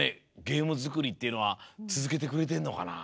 ゲームづくりっていうのはつづけてくれてんのかな？